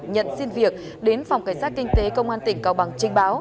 nhận xin việc đến phòng cảnh sát kinh tế công an tỉnh cao bằng trình báo